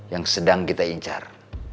yang sedang kita incar